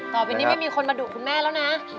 ต่อไปนี้ไม่มีคนมาดุคุณแม่แล้วนะ